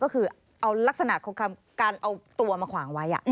ก็คือเอาลักษณะของการเอาตัวมาขวางไว้